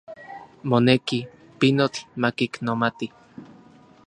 Moneki, pinotl makiknomati.